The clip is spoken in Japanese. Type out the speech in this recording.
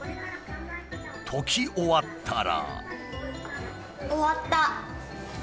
解き終わったら。